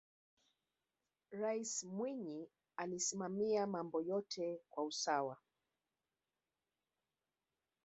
raisi mwinyi alisimamia mambo yote kwa usawa